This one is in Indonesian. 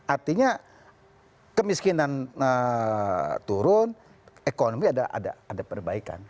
artinya kemiskinan turun ekonomi ada perbaikan